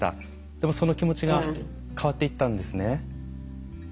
でもその気持ちが変わっていったんですね。